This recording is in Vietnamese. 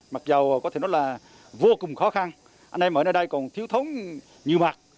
mặc dù có thể nói là vô cùng khó khăn anh em ở đây còn thiếu thống nhiều mặt